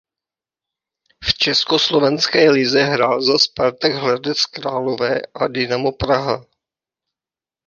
V československé lize hrál za Spartak Hradec Králové a Dynamo Praha.